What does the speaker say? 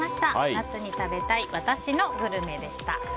夏に食べたい私のグルメでした。